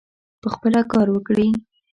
پخپله کار وکړي.